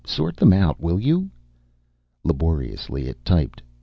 "Sort them out, will you?" Laboriously it typed